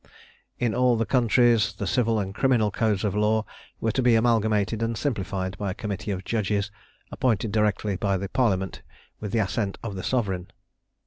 In all countries the Civil and Criminal Codes of Law were to be amalgamated and simplified by a committee of judges appointed directly by the Parliament with the assent of the Sovereign.